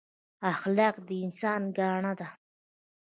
اخلاق د انسان ګاڼه ده